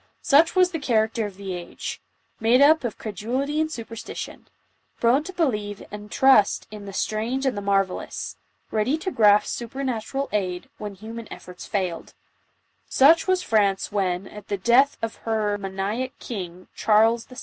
Such was the character of the_ager^mad» up of cre dulity and superstition — prone to believe jind trust in the" 8irang6"a"n<rtlie marvellous — ready to grasp super natural aicl^when human efforts foiled; — such was Franc at the death of her maniac king, Charles VI.